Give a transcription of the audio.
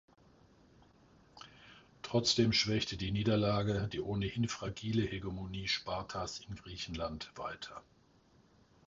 Trotzdem schwächte die Niederlage die ohnehin fragile Hegemonie Spartas in Griechenland weiter.